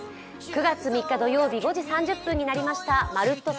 ９月３日土曜日５時３０分になりました「まるっと！